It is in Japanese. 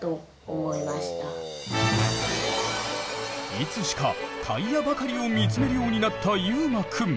いつしかタイヤばかりを見つめるようになったゆうまくん。